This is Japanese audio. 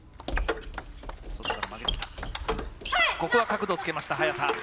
ここは角度をつけました、早田。